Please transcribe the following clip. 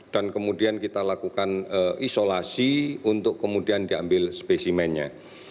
dan kemudian kita lakukan isolasi untuk kemudian diambil spesimennya